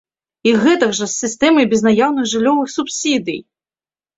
І гэтак жа з сістэмай безнаяўных жыллёвых субсідый!